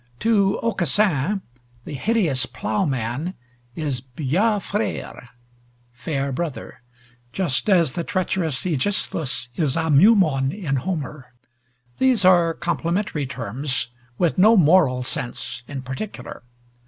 To Aucassin the hideous plough man is "Biax frere," "fair brother," just as the treacherous Aegisthus is [Greek text] in Homer; these are complimentary terms, with no moral sense in particular.